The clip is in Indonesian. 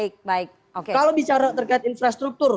kalau bicara terkait infrastruktur